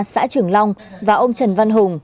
xã trường long và ông trần văn hùng